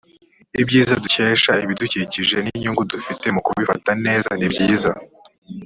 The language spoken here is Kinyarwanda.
ibyiza dukesha ibidukikije n’inyungu dufite mu kubifata neza ni byiza